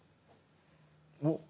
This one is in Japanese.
おっ！